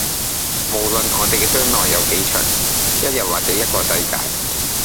無論我哋嘅將來有幾長，一日或者一個世界